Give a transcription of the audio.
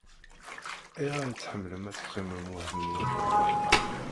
Ayɣer i tḥemmlem ad teqqimem weḥd-nwen?